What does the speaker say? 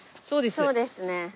そうですね。